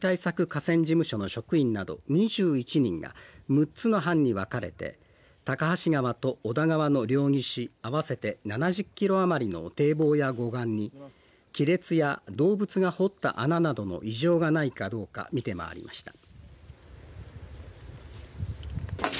河川事務所の職員など２１人が６つの班に分かれて高梁川と小田川の両岸合わせて７０キロ余りの堤防や護岸に亀裂や動物が掘った穴などの異常がないかどうか見て回りました。